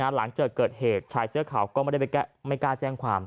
หลังเจอเกิดเหตุชายเสื้อขาวก็ไม่กล้าแจ้งความ